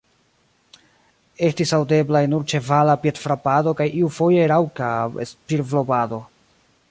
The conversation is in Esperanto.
Estis aŭdeblaj nur ĉevala piedfrapado kaj iufoje raŭka spirblovado.